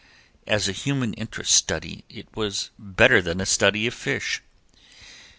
As a human interest study it was better than a study of fish.